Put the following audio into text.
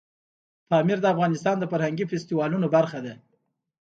پامیر د افغانستان د فرهنګي فستیوالونو برخه ده.